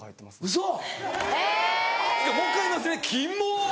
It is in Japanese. ウソ！